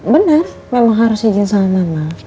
benar memang harus ijin sama mama